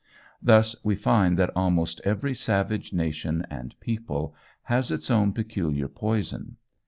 Thus we find that almost every savage nation and people has its own peculiar poison.